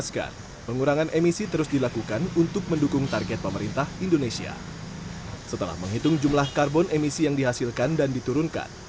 setelah menghitung jumlah karbon emisi yang dihasilkan dan diturunkan